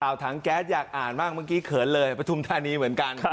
ถังแก๊สอยากอ่านมากเมื่อกี้เขินเลยปฐุมธานีเหมือนกัน